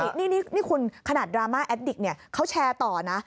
นี่คุณขนาดดราม่าแอดดิกเนี่ยเขาแชร์ต่อนะ